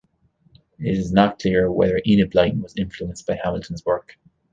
It is not clear whether Enid Blyton was influenced by Hamilton's work.